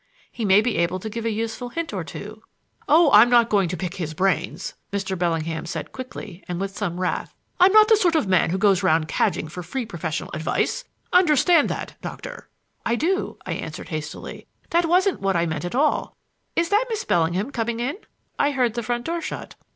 He may be able to give a useful hint or two." "Oh, I'm not going to pick his brains," Mr. Bellingham said quickly and with some wrath. "I'm not the sort of man who goes round cadging for free professional advice. Understand that, Doctor." "I do," I answered hastily. "That wasn't what I meant at all. Is that Miss Bellingham coming in? I heard the front door shut."